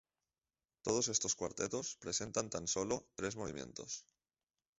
Todos estos cuartetos presentan tan solo tres movimientos.